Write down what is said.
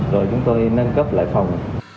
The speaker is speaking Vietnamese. rồi chúng tôi nâng cấp lại phòng